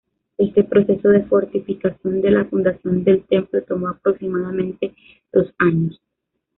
Este proceso de fortificación de la fundación del templo tomo aproximadamente dos años.